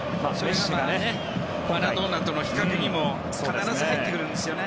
マラドーナとの比較にも必ず入ってくるんですよね。